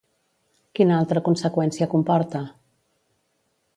Quina altra conseqüència comporta?